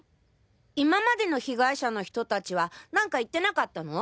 今までの被害者の人達は何か言ってなかったの？